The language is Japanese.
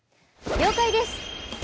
了解です！